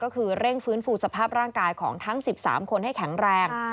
ก็คือเร่งฟื้นฟูสภาพร่างกายของทั้ง๑๓คนให้แข็งแรง